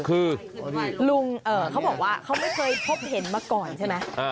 คือลุงเขาบอกว่าเขาไม่เคยพบเห็นมาก่อนใช่ไหม